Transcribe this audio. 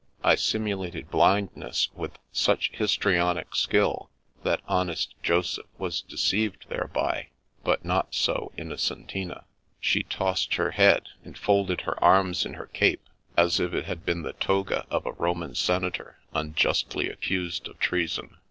I simulated blindness with such histrionic skill tl^st honest Joseph was deceived thereby; but not so Innocentina. She tossed her head, and folded her arms in her cape as if it had been the toga of a Roman senator unjustly accused of treason.